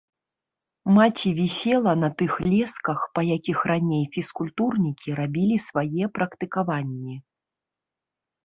Маці вісела на тых лесках, па якіх раней фізкультурнікі рабілі свае практыкаванні.